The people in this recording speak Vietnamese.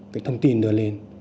cái thông tin đưa lên